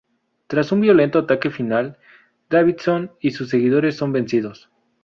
Tras un violento ataque final, Davidson y sus seguidores son vencidos.